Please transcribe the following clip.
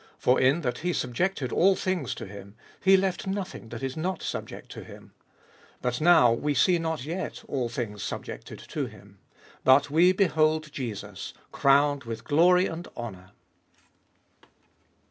For in that he subjected all things to him, he left nothing that is not subject to him But now we see not yet all things subjected to him. 9. But we behold Jesus crowned with glory and honour.